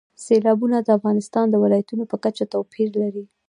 سیلابونه د افغانستان د ولایاتو په کچه توپیر لري.